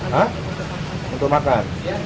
hah untuk makan